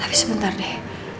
tapi sebentar deh